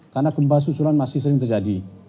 karena gempa susulan masih sering terjadi